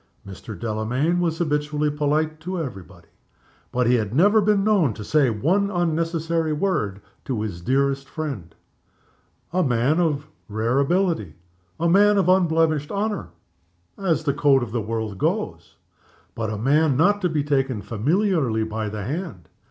Mr. Delamayn was habitually polite to every body but he had never been known to say one unnecessary word to his dearest friend. A man of rare ability; a man of unblemished honor (as the code of the world goes); but not a man to be taken familiarly by the hand.